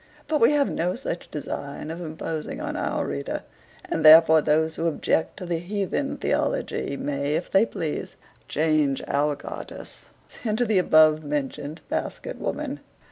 But we have no such design of imposing on our reader; and therefore those who object to the heathen theology, may, if they please, change our goddess into the above mentioned basket woman.